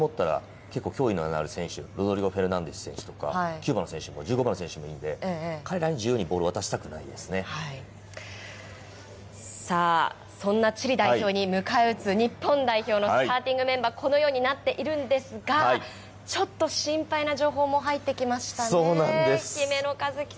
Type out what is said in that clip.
あとはバックスの選手、結構、いいランナーで、ボールもったら、結構脅威になる選手、ロドリゴ・フェルナンデス選手とか、キューバの選手、１５番の選手もいるんで、彼らに自由にボールを渡したそんなチリ代表に迎え撃つ日本代表のスターティングメンバー、このようになっているんですが、ちょっと心配な情報も入ってきましたね。